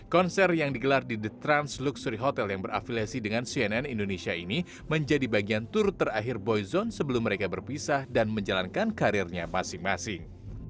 konser yang digelar di the trans luxury hotel yang berafiliasi dengan cnn indonesia ini menjadi bagian tur terakhir boyzone sebelum mereka berpisah dan menjalankan karirnya masing masing